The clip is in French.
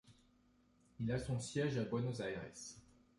Il a son siège à Buenos Aires.